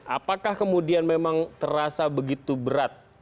apakah kemudian memang terasa begitu berat